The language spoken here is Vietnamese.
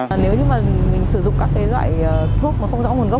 nếu như mình sử dụng các loại thuốc không rõ nguồn gốc